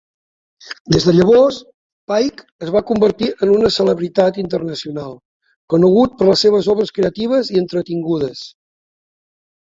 Des de llavors, Paik es va convertir en una celebritat internacional, conegut per les seves obres creatives i entretingudes.